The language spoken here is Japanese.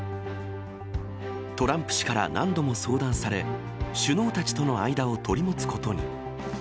トランプ氏から何度も相談され、首脳たちとの間をとりもつことに。